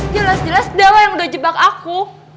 jelas jelas dia yang udah jebak aku